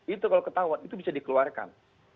itu kalau ketahuan itu bisa dikeluarkan